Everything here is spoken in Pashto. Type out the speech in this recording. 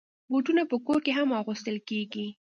بوټونه په کور کې هم اغوستل کېږي.